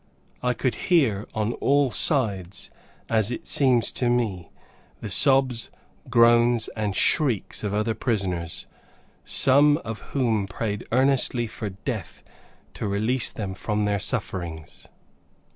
I could hear on all sides, as it seemed to me, the sobs, groans, and shrieks of other prisoners, some of whom prayed earnestly for death to release them from their sufferings.